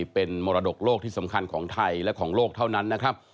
เป็นมรดกโลกที่สำคัญของไทยและของโลกเท่านั้นนะครับ